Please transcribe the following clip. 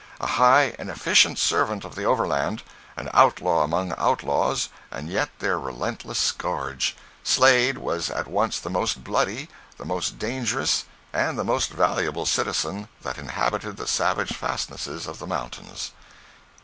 A high and efficient servant of the Overland, an outlaw among outlaws and yet their relentless scourge, Slade was at once the most bloody, the most dangerous and the most valuable citizen that inhabited the savage fastnesses of the mountains.